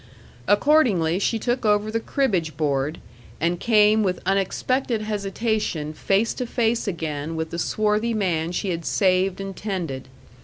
Accordingly she took over the cribbage board, and came with unexpected hesitation face to face again with the swarthy man she had saved and tended.